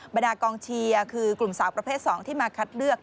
บรรดากองเชียร์คือกลุ่มสาวประเภท๒ที่มาคัดเลือก